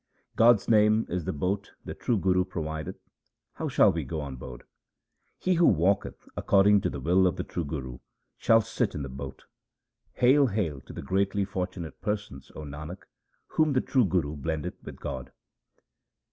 God's name is the boat the true Guru provideth ; how shall we go on board ? He who walketh according to the will of the true Guru shall sit in the boat. Hail, hail to the greatly fortunate persons, O Nanak, whom the true Guru blendeth with God